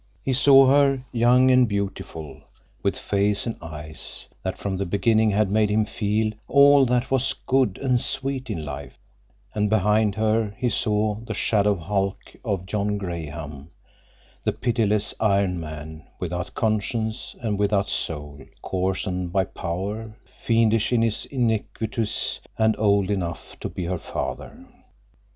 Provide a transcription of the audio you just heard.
He saw her, young and beautiful, with face and eyes that from the beginning had made him feel all that was good and sweet in life, and behind her he saw the shadow hulk of John Graham, the pitiless iron man, without conscience and without soul, coarsened by power, fiendish in his iniquities, and old enough to be her father!